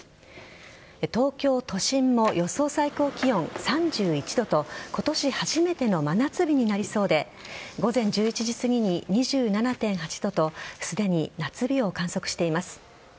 東京都心も予想最高気温３１度と今年初めての真夏日になりそうで午前１１時すぎに２７．８度とすでに夏日を観測しています。